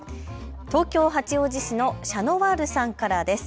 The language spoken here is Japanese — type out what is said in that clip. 東京八王子市のシャノワールさんからです。